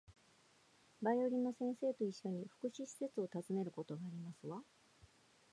バイオリンの先生と一緒に、福祉施設を訪ねることがありますわ